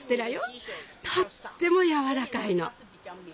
とってもやわらかいの。